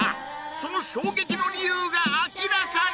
その衝撃の理由が明らかに